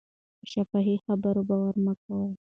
په شفاهي خبرو باور مه کوئ.